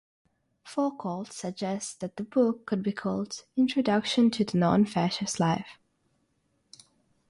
Foucault suggests that the book could be called "Introduction to the Non-Fascist Life".